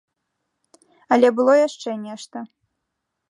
Але было яшчэ нешта.